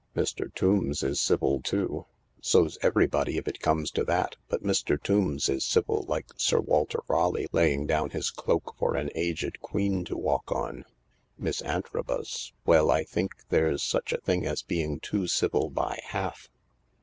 "Mr, Tombs is civil too." " So's everybody if it comes to that. But Mr. Tombs is civil like Sir Walter Raleigh laying down his cloak for an aged queen to walk on. Miss Antrobus ... well, I think there's such a thing as being too civil by half.